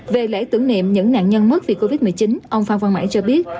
về lễ tưởng niệm những nạn nhân mất vì covid một mươi chín ông phan văn mãi cho biết